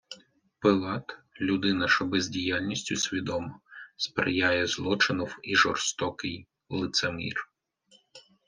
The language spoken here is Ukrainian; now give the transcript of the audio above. Пилат — людина, що бездіяльністю свідомо сприяє злочинов і жорстокий лицемір